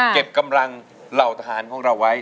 เก็บกำลังเหล่าทหารของเราไว้